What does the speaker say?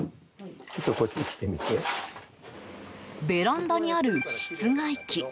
ベランダにある室外機。